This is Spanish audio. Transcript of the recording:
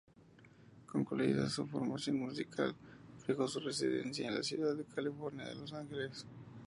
Concluida su formación musical, fijó su residencia en la ciudad californiana de Los Ángeles.